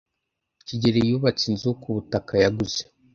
kigeli yubatse inzu kubutaka yaguze